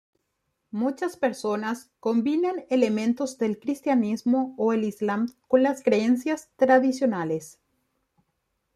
Muchas personas combinan elementos del cristianismo o el islam con las creencias tradicionales.